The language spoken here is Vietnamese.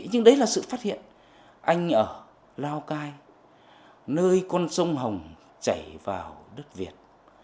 nhưng đấy là sự phát hiện anh ở lao cai nơi con sông hồng chảy vào đất việt